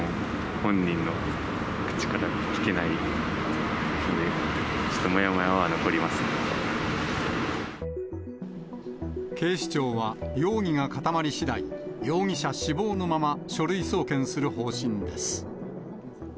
本人の口から聞けないので、警視庁は、容疑が固まりしだい、容疑者死亡のまま、書類送検する方針です。